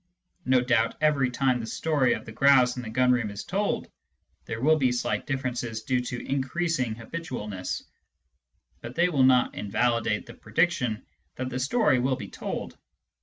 No doubt every time the story of the grouse in the gun room is told, there will be slight differences due to increasing habitualness, but they do not invalidate the prediction that the story will be told.